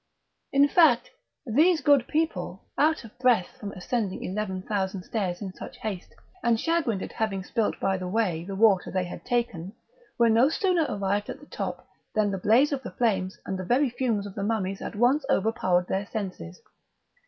In fact, these good people, out of breath from ascending eleven thousand stairs in such haste, and chagrined at having spilt by the way the water they had taken, were no sooner arrived at the top than the blaze of the flames and the fumes of the mummies at once overpowered their senses.